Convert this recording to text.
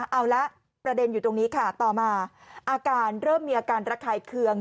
เอาละประเด็นอยู่ตรงนี้ค่ะต่อมาอาการเริ่มมีอาการระคายเคือง